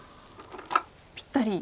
ぴったり。